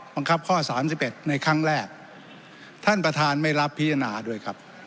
บังคับข้อสามสิบเอ็ดในครั้งแรกท่านประธานไม่รับพิจารณาด้วยครับ